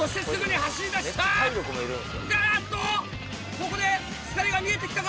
ここで疲れが見えてきたか？